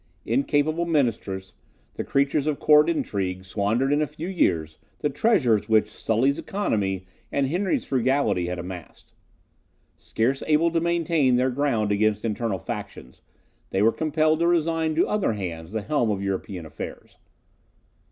Incapable ministers, the creatures of court intrigue, squandered in a few years the treasures which Sully's economy and Henry's frugality had amassed. Scarce able to maintain their ground against internal factions, they were compelled to resign to other hands the helm of European affairs.